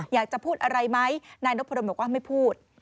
อยากจะพูดอะไรไหมนายนพดลบอกว่าไม่พูด